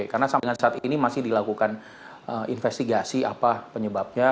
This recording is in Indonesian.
karena sampai saat ini masih dilakukan investigasi apa penyebabnya